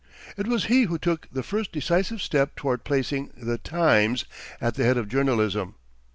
It was he who took the first decisive step toward placing "The Times" at the head of journalism.